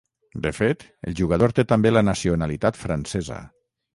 De fet el jugador té també la nacionalitat francesa.